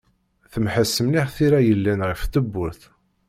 Temḥeṣ mliḥ tira yellan ɣef tewwurt.